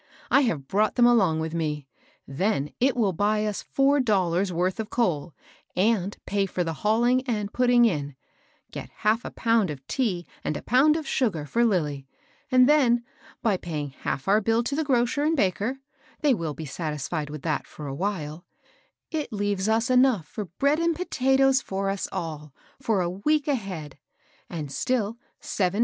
I have brought them along with me, — then it will buy us four dollars' worth of coal, and pay for the hauling and putting in ; get half a pound of tea and a pound of sugar for Lilly ; and then, by paying half our bill to the grocer |nd baker, — they will be satisfied with that for a while, — it leaves us enough for bread and pota toea for ns all for a week ahead •, and still seven (234) DOMESTIC ACCX)UNTS.